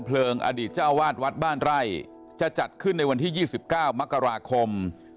อดีตเจ้าวาดวัดบ้านไร่จะจัดขึ้นในวันที่๒๙มกราคม